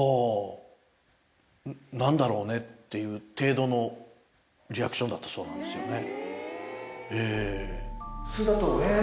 いう程度のリアクションだったそうなんですよね。